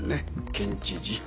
県知事。